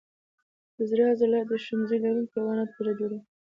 د زړه عضله د شمزۍ لرونکو حیواناتو زړه جوړوي.